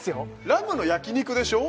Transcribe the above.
ラムの焼肉でしょ？